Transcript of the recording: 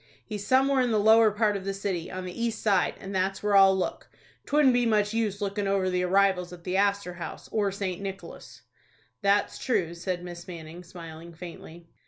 He's somewhere in the lower part of the city, on the east side, and that's where I'll look. 'Twouldn't be much use lookin' over the arrivals at the Astor House, or St. Nicholas." "That's true," said Miss Manning, smiling faintly.